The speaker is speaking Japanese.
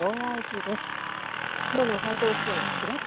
名古屋駅です。